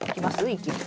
一気に。